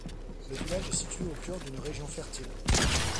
Le village est situé au cœur d'une région fertile.